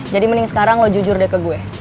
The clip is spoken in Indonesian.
jadi mending sekarang lo jujur deh ke gue